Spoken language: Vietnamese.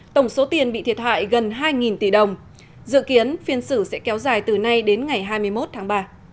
tổng số tiền bị thiệt hại gần hai tỷ đồng dự kiến phiên xử sẽ kéo dài từ nay đến ngày hai mươi một tháng ba